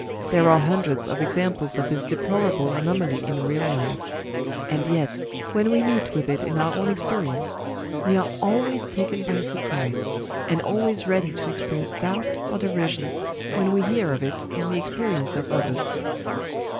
There are hundreds of examples of this deplorable anomaly in real life; and yet, when we meet with it in our own experience, we are always taken by surprise, and always ready to express doubt or derision when we hear of it in the experience of others.